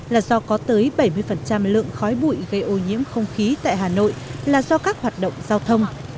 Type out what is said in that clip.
là do có tới bảy mươi lượng khói bụi gây ô nhiễm không khí tại hà nội là do các hoạt động giao thông